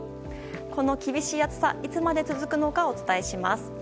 この厳しい暑さいつまで続くのかお伝えします。